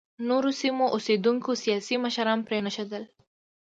نورو سیمو اوسېدونکو سیاسي مشران پرېنښودل.